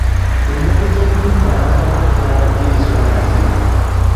Omwogezi omutuufu alaga wa gy'aba aggye ensonga ze.